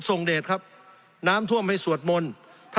สงบจนจะตายหมดแล้วครับ